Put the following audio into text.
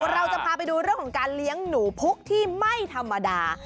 เราจะพาไปดูเรื่องของการเลี้ยงหนูพุกที่ไม่ธรรมดา